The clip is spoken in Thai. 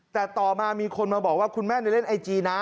แต่ต่อมามีคนมาบอกว่าคุณแม่เล่นไอจีนะ